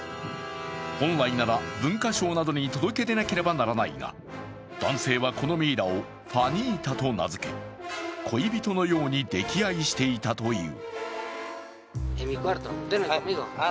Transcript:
本来なら文化省などに届け出ないといけないが、男性はこのミイラをファニータと名付け恋人のように溺愛していたという。